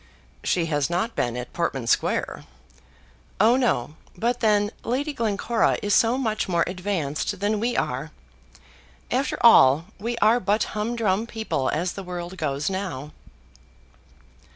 "She has not been at Portman Square?" "Oh no; but then Lady Glencora is so much more advanced than we are! After all, we are but humdrum people, as the world goes now."